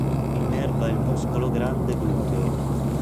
Innerva il muscolo grande gluteo.